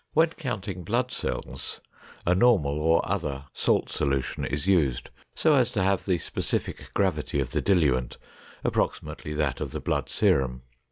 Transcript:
When counting blood cells, a normal or other salt solution is used so as to have the specific gravity of the diluent approximately that of the blood serum.